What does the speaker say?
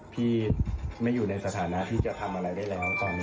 พี่ไม่อยู่ในสถานะที่จะทำอะไรได้แล้วตอนนี้